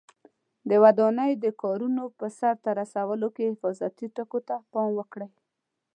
د ودانۍ د کارونو په سرته رسولو کې حفاظتي ټکو ته پام وکړئ.